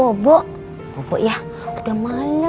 masa pokoknya udah disini